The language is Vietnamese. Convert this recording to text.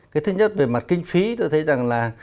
cái thứ nhất về mặt kinh phí tôi thấy rằng là